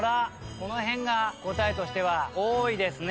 この辺が答えとしては多いですね。